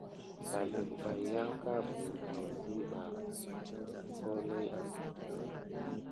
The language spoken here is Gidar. Ɓaɗé pebay yanka buwune asiɓa holohi adaga.